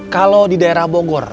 kalau di daerah bogor